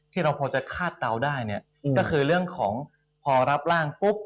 เราพอจะคาดเตาได้เนี่ยก็คือเรื่องของพอรับร่างปุ๊บ